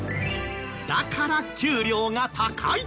だから給料が高い！